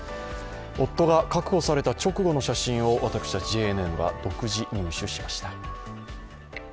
夫が確保された直後の写真を私たちＪＮＮが独自入手しました。